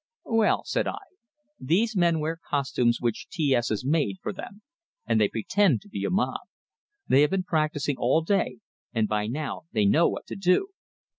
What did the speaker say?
"Well," said I, "these men wear costumes which T S has had made for them, and they pretend to be a mob. They have been practicing all day, and by now they know what to do.